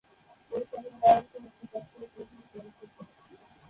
এটি স্বাধীন বাংলাদেশে মুক্তিপ্রাপ্ত প্রথম চলচ্চিত্র।